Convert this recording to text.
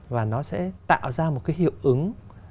và nó sẽ tạo ra một cái hiệu ứng